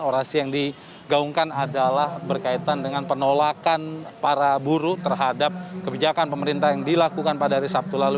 orasi yang digaungkan adalah berkaitan dengan penolakan para buruh terhadap kebijakan pemerintah yang dilakukan pada hari sabtu lalu